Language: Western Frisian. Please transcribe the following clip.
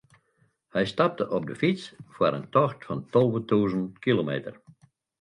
Hy stapte op de fyts foar in tocht fan tolve tûzen kilometer.